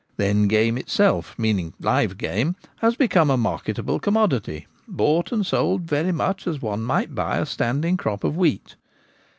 Then game itself — meaning live game — has become a marketable commodity, bought and sold very much as one might buy a standing crop of wheat.